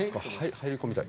入り込みたい。